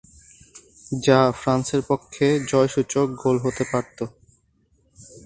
যা ফ্রান্সের পক্ষে জয়সূচক গোল হতে পারত।